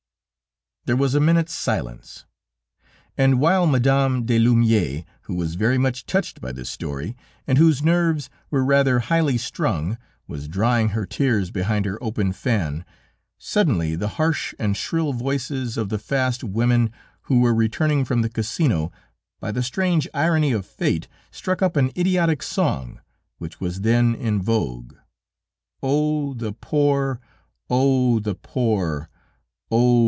There was a minute's silence, and while Madame de Laumières, who was very much touched by this story and whose nerves were rather highly strung, was drying her tears behind her open fan, suddenly the harsh and shrill voices of the fast women who were returning from the Casino, by the strange irony of fate, struck up an idiotic song which was then in vogue: "_Oh! the poor, oh! the poor, oh!